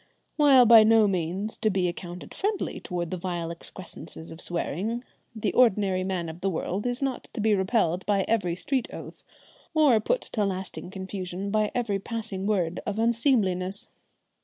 While by no means to be accounted friendly towards the vile excrescences of swearing, the ordinary man of the world is not to be repelled by every street oath, or put to lasting confusion by every passing word of unseemliness.